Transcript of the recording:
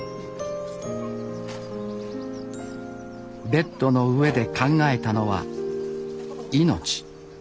ベッドの上で考えたのは命。